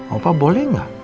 opa boleh gak